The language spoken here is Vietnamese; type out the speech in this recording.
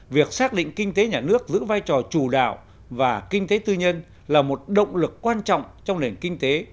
việc xác định kinh tế nhà nước giữ vai trò chủ đạo và kinh tế tư nhân là một động lực quan trọng trong nền kinh tế